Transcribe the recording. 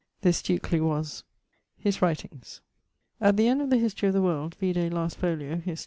This Stukely was.... <_His writings._> At the end of the History of the World (vide last folio, _Hist.